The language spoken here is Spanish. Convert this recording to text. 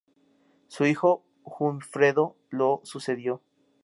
Su hijo Hunfredo lo sucedió.